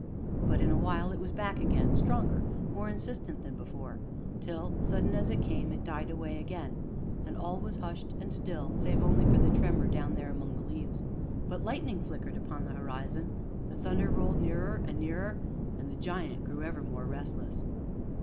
But, in a while, it was back again, stronger, more insistent than before, till, sudden as it came, it died away again, and all was hushed and still, save only for the tremor down there among the leaves; but lightning flickered upon the horizon, the thunder rolled nearer and nearer, and the giant grew ever more restless.